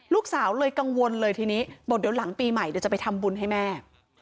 ลูกสาวเลยกังวลเลยทีนี้บอกเดี๋ยวหลังปีใหม่เดี๋ยวจะไปทำบุญให้แม่